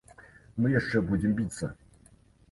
Мы яшчэ будзем біцца.